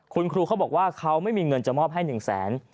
คุณครูเขาบอกว่าเขาไม่มีเงินจะมอบให้๑แสน